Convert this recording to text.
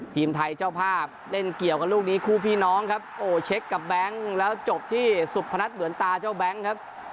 ทีมไทยเจ้าภาพเล่นเกี่ยวกับลูกนี้คู่พี่น้องครับโอ้เช็คกับแบงค์แล้วจบที่สุพนัทเหมือนตาเจ้าแบงค์ครับ